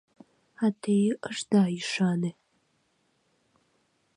А те ышда ӱшане!..